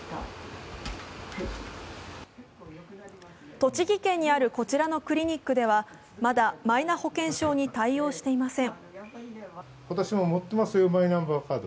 栃木県にあるこちらのクリニックではまだマイナ保険証に対応していません。